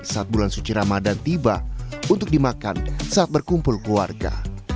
saat bulan suci ramadan tiba untuk dimakan saat berkumpul keluarga